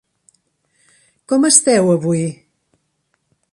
Com esteu, avui?